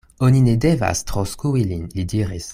Oni ne devas tro skui lin, li diris.